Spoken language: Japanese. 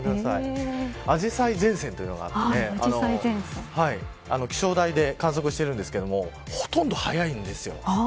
アジサイ前線というのがあって気象台で観測しているんですけどほとんど早いんです。